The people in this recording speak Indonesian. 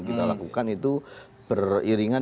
kita lakukan itu beriringan